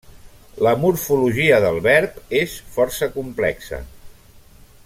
La morfologia del verb és força complexa.